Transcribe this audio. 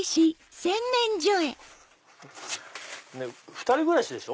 ２人暮らしでしょ？